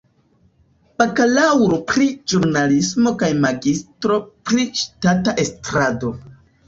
Bakalaŭro pri ĵurnalismo kaj magistro pri ŝtata estrado.